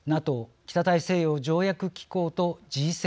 ＮＡＴＯ北大西洋条約機構とＧ７